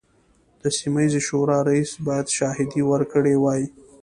د سیمه ییزې شورا رییس باید شاهدې ورکړي وای.